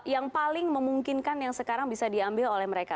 yang paling memungkinkan yang sekarang bisa diambil oleh mereka